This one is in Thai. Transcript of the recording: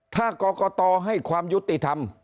ถ้ากรกตให้ความยุติธรรม